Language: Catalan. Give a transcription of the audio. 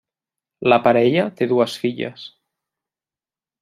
La parella té dues filles.